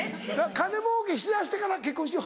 金もうけしだしてから「結婚しよう」って。